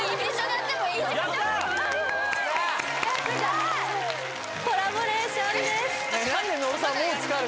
やったヤバいコラボレーションです